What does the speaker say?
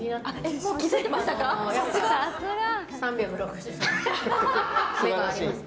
もう気づいていましたか？